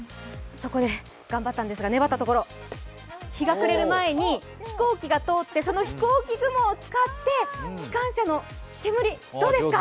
そこで頑張ったんですが、粘ったところ、日が暮れる前に飛行機が通ってその飛行機雲を使って、機関車の煙、どうですか？